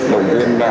đồng yên là